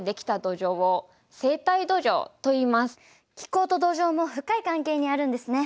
中でも気候と土壌も深い関係にあるんですね。